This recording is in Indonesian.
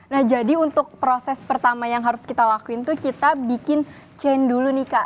nah jadi untuk proses pertama yang harus kita lakuin tuh kita bikin chain dulu nih kak